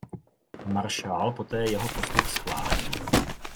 Maršál poté jeho postup schválil.